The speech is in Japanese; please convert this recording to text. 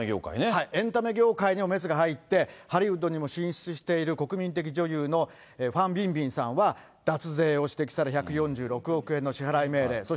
エンタメ業界にもメスが入って、ハリウッドにも進出している、国民的女優のファンビンビンさんは、脱税を指摘され、１４６億円の支払い命令。